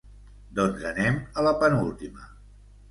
Doncs anem a la penúltima.